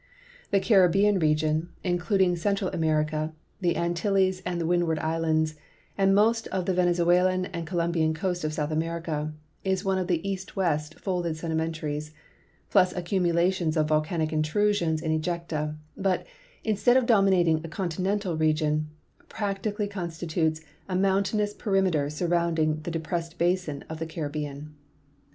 The Caril)l)ean region, including Central America, the Antilles and the Windward islands, and most of the Venezuelan and Colombian coast of South America, is one of east west folded sedimentaries, plus accumulations of volcanic intrusions and ejecta, but, instead of dominating a continental region, pradicalhj constitutes a mouittniaous perimeter surroniulluff the depressed basin of the Oirlhhean.